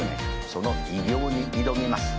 その偉業に挑みます」